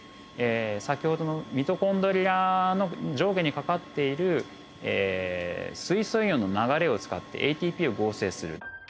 先ほどのミトコンドリアの上下にかかっている水素イオンの流れを使ってＡＴＰを合成する。